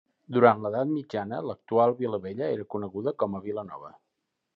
Durant l'Edat Mitjana, l'actual Vila Vella era coneguda com a Vila Nova.